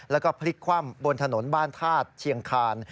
แล้วก็พลิกคว่ำบนถนนบ้านธาตุเชียงคาน